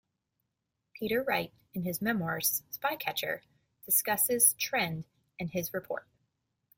Peter Wright in his memoirs, "Spycatcher", discusses Trend and his report.